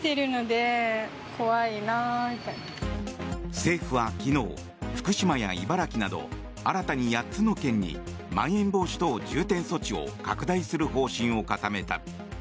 政府は昨日、福島や茨城など新たに８つの県にまん延防止等重点措置を拡大する方針を固めた。